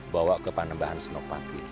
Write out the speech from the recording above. bawa ke panembahan senopati